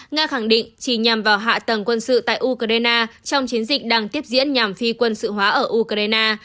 nga khẳng định chỉ nhằm vào hạ tầng quân sự tại ukraine trong chiến dịch đang tiếp diễn nhằm phi quân sự hóa ở ukraine